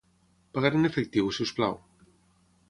Pagaré en efectiu, si us plau.